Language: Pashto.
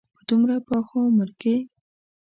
په دومره پاخه عمر کې.